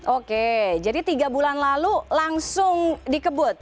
oke jadi tiga bulan lalu langsung dikebut